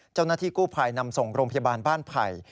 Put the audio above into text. เจ้าหน้าที่กู้ภัยนำส่งโรงพยาบาลบ้านไผ่